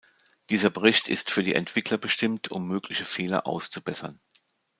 Dieser Bericht ist für die Entwickler bestimmt, um mögliche Fehler auszubessern.